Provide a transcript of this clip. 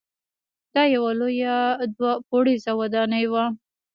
دا یوه لویه دوه پوړیزه ودانۍ وه.